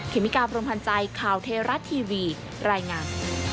เมกาพรมพันธ์ใจข่าวเทราะทีวีรายงาน